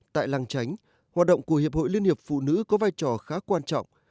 tại làng tránh hoạt động của hiệp hội liên hiệp phụ nữ có vai trò khá quan trọng